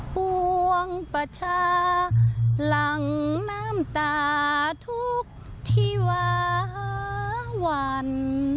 ปวงประชาหลังน้ำตาทุกที่วาวัน